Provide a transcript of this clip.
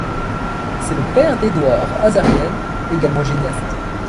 C'est le père d'Eduard Azaryan également gymnaste.